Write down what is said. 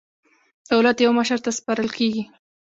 دولت یو مشر ته سپارل کېږي.